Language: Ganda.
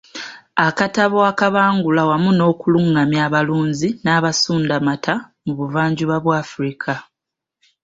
Akatabo akabangula wamu n’okulungamya abalunzi n’abasundamata mu buvanjuba bwa Afirika.